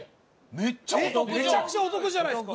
めちゃくちゃお得じゃないですか。